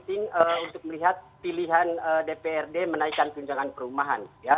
tapi poin saya penting untuk melihat pilihan dpr dki menaikkan tunjangan perumahan